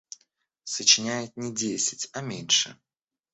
Сочиняет не десять, а меньше.